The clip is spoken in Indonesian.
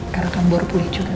karena kamu baru pulih juga